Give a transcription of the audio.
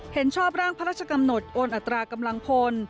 เห็นชอบร่างพระราชกำหนดโอนอัตรากำลังพล